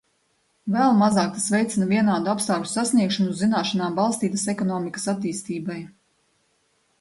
Vēl mazāk tas veicina vienādu apstākļu sasniegšanu uz zināšanām balstītas ekonomikas attīstībai.